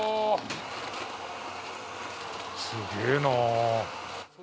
すげえな。